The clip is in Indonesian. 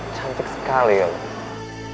cantik sekali ya